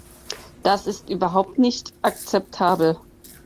Das ist überhaupt nicht akzeptabel.